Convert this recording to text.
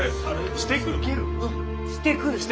してくる？